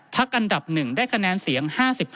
อันดับ๑ได้คะแนนเสียง๕๓